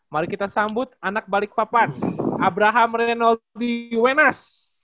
mari kita sambut anak balikpapan abraham renoldi wenas